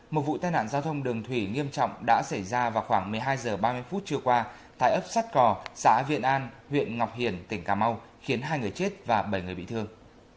một vụ tai nạn giao thông đường thủy nghiêm trọng đã xảy ra vào khoảng một mươi hai h ba mươi phút trưa qua tại ấp sắt cò xã viện an huyện ngọc hiển tỉnh cà mau khiến hai người chết và bảy người bị thương